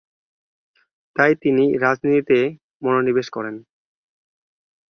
তাই তিনি রাজনীতিতে মনোনিবেশ করেন।